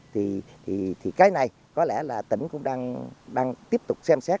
thì cái này có lẽ là tỉnh cũng đang tiếp tục xem xét